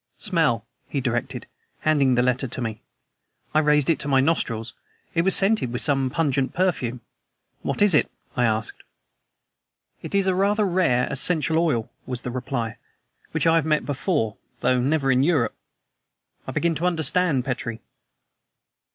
"Smell!" he directed, handing the letter to me. I raised it to my nostrils. It was scented with some pungent perfume. "What is it?" I asked. "It is a rather rare essential oil," was the reply, "which I have met with before, though never in Europe. I begin to understand, Petrie."